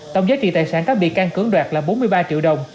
tổng giá trị tài sản các bị can cưỡng đoạt là bốn mươi ba triệu đồng